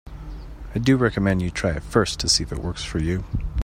I do recommend you try it first to see if it works for you.